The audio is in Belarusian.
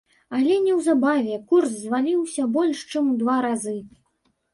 Але неўзабаве курс зваліўся больш чым у два разы.